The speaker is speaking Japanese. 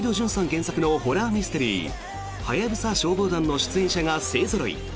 原作のホラーミステリー「ハヤブサ消防団」の出演者が勢ぞろい！